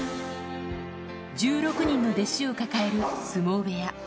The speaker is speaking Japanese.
１６人の弟子を抱える相撲部屋。